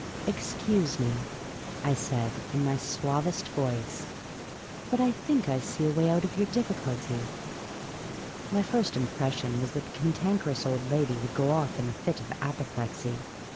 '' Ex cuse me," I said, in my suavest voice, " but I think I see a way out of your difficulty." My first impression was that the Cantankerous Old Lady would go off in a fit of apoplexy.